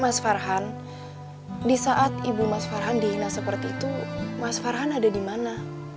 mas farhan disaat ibu mas farhan dihina seperti itu mas farhan ada dimana